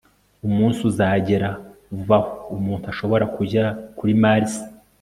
Umunsi uzagera vuba aho umuntu ashobora kujya kuri Mars